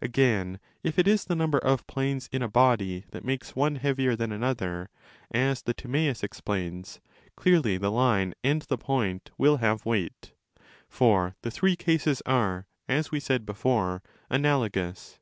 Again, if it is the number of planes in a body* that makes 300* one heavier than another, as the Zimaeus® explains, clearly the line and the point will have weight. For the three cases are, as we said before, analogous.